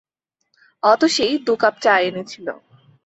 অতসী দু কাপ চা এনেছিল।